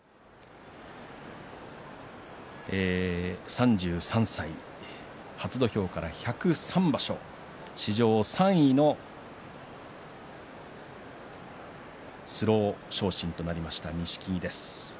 ３３歳初土俵から１０３場所史上３位のスロー昇進となりました錦木です。